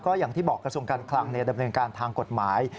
อย่างที่บอกกระทรวงการคลังดำเนินการทางกฎหมาย